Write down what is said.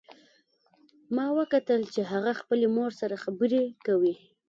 ما وکتل چې هغه خپلې مور سره خبرې کوي